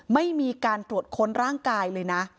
ไม่มีการตรวจค้นร่างกายเลยนะ